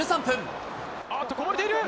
あっと、こぼれている。